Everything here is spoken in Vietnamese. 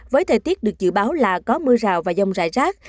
với thời tiết được dự báo là có mưa rào và dông rải rác